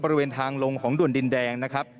บริเวณทางลงของด่วนดินแดงนะครับ